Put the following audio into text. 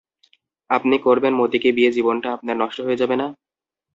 আপনি করবেন মতিকে বিয়ে জীবনটা আপনার নষ্ট হয়ে যাবে না?